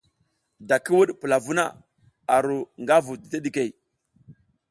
Da ki wuɗ pula vuh na, a ru nga vu dideɗikey.